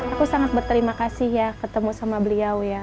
aku sangat berterima kasih ya ketemu sama beliau ya